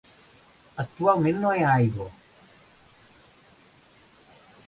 Actualment no hi ha aigua.